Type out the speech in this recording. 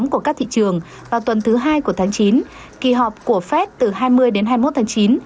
của các thị trường vào tuần thứ hai của tháng chín kỳ họp của fed từ hai mươi đến hai mươi một tháng chín